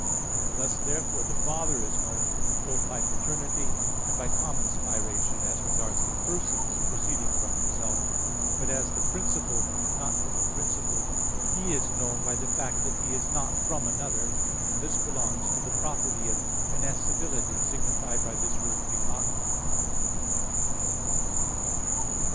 Thus therefore the Father is known both by paternity and by common spiration, as regards the persons proceeding from Himself. But as the principle, not from a principle He is known by the fact that He is not from another; and this belongs to the property of innascibility, signified by this word "begotten."